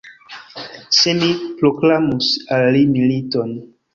Se mi proklamus al li militon!